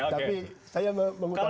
tapi saya mengutamakan